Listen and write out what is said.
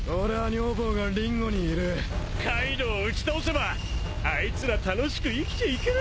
カイドウを打ち倒せばあいつら楽しく生きていける！